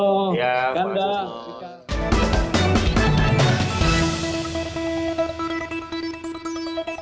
ya pak susno